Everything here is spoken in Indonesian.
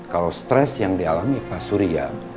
kalau stres yang dialami pak surya